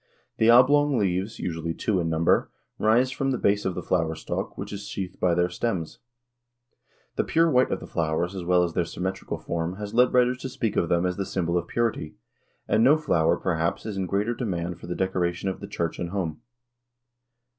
The oblong leaves, usually two in number, rise from the base of the flower stalk, which is sheathed by their stems. The pure white of the flowers as well as their symmetrical form has led writers to speak of them as the symbol of purity, and no flower, perhaps, is in greater demand for the decoration of the church and home.